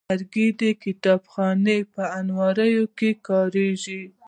لرګی د کتابخانو په الماریو کې کارېږي.